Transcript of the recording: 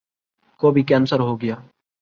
کو بھی کینسر ہو گیا ؟